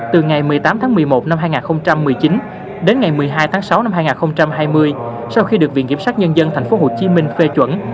từ ngày một mươi tám tháng một mươi một năm hai nghìn một mươi chín đến ngày một mươi hai tháng sáu năm hai nghìn hai mươi sau khi được viện kiểm sát nhân dân tp hcm phê chuẩn